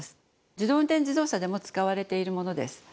自動運転自動車でも使われているものです。